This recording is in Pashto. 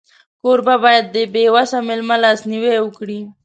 کوربه باید د بېوسه مېلمه لاسنیوی وکړي.